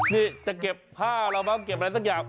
นี่จะเก็บผ้าเราบ้างเก็บอะไรสักอย่าง